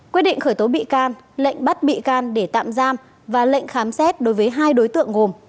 quyết định khởi tố bị can lệnh bắt bị can để tạm giam và lệnh khám xét đối với hai đối tượng gồm